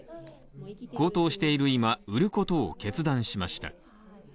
高騰している今、売ることを決断しました。